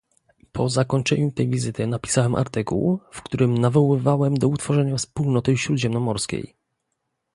Po zakończeniu tej wizyty napisałem artykuł, w którym nawoływałem do utworzenia wspólnoty śródziemnomorskiej